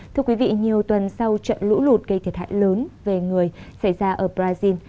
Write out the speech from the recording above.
thưa quý vị nhiều tuần sau trận lũ lụt gây thiệt hại lớn về người xảy ra ở brazil